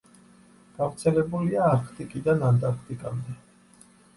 გავრცელებულია არქტიკიდან ანტარქტიკამდე.